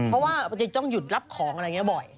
เพราะว่ามันจะต้องหยุดรับของอะไรอย่างนี้บ่อย